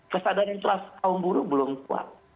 kesadaran kelas kaum buruh belum kuat